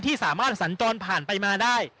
สามารถสัญจรผ่านไปมาได้